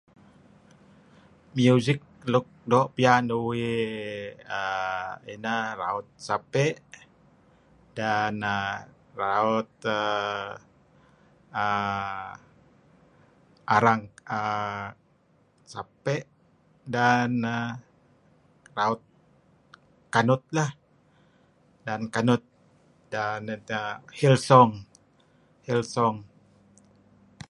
Music luk doo' piyan uih[err] ineh raut sape' dan raut arang sape' dan rayt kanut, kanut dan Hillsong.